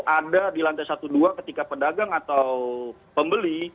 ada di lantai satu dua ketika pedagang atau pembeli